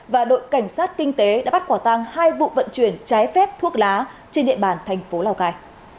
và đội cảnh sát kinh tế đã bắt quả tăng hai vụ vận chuyển trái phép thuốc lá trên địa bàn thành phố lào cai